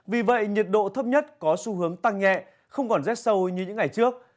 vì vậy nhiệt độ thấp nhất có xu hướng tăng nhẹ không còn rét sâu như những ngày trước